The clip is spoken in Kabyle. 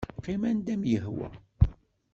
Qqim anda i m-yehwa.